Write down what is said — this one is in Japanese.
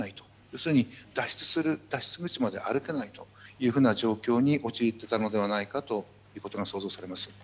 要するに脱出口まで歩けないという状況に陥っていたのではないかということが想像されます。